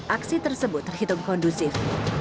aksi tersebut terhitung kondusif